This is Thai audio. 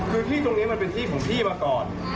คือที่ตรงนี้มันเป็นที่ของพี่มาก่อน